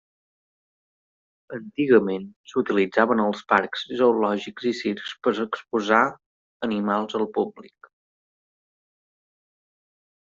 Antigament, s'utilitzaven als parcs zoològics i circs per exposar animals al públic.